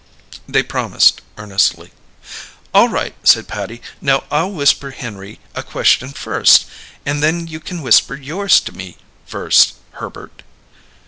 They promised earnestly. "All right," said Patty. "Now I'll whisper Henry a question first, and then you can whisper yours to me first, Herbert."